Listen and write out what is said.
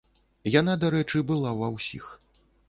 Яна, дарэчы, была ва ўсіх.